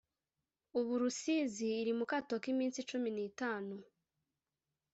Ubu Rusizi iri mukato k’iminsi cumi nitanu